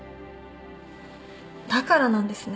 だからなんですね